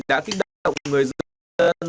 đã kích động người dân